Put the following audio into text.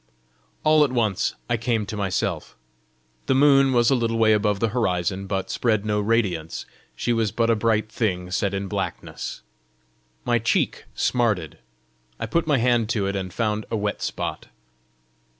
All at once I came to myself. The moon was a little way above the horizon, but spread no radiance; she was but a bright thing set in blackness. My cheek smarted; I put my hand to it, and found a wet spot.